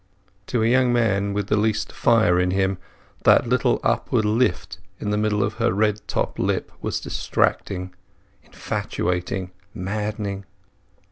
To a young man with the least fire in him that little upward lift in the middle of her red top lip was distracting, infatuating, maddening.